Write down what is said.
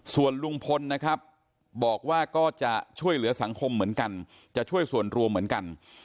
ส่วนลุงพลนะครับบอกว่าก็จะช่วยเหลือสังคมเหมือนกันจะช่วยส่วนรวมเหมือนกัน